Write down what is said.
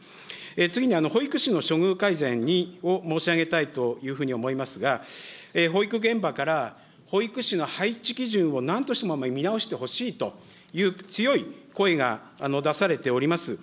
次に保育士の処遇改善を申し上げたいというふうに思いますが、保育現場から、保育士の配置基準をなんとしても見直してほしいという強い声が出されております。